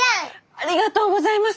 ありがとうございます。